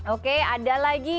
oke ada lagi